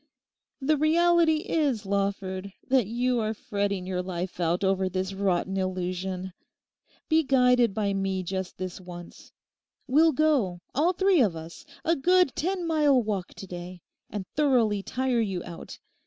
'The reality is, Lawford, that you are fretting your life out over this rotten illusion. Be guided by me just this once. We'll go, all three of us, a good ten mile walk to day, and thoroughly tire you out.